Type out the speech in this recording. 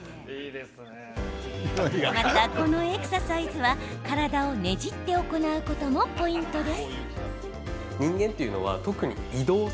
また、このエクササイズは体をねじって行うこともポイントです。